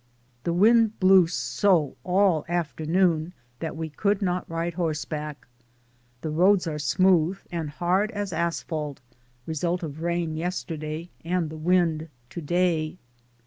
The wind blew so all afternoon that we could not ride horseback. The roads are smooth and hard as asphalt, result of rain yesterday and the wind to day.